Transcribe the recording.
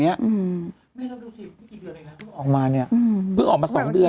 มันติดคุกออกไปออกมาได้สองเดือน